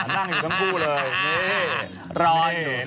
นั่งอยู่ทั้งคู่เลย